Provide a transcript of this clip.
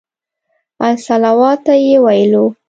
الصلواة یې ویلو.